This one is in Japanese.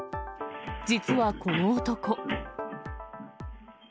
実はこの男。